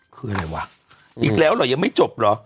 คืออะไรวะอีกแล้วเหรอยังไม่จบเหรอ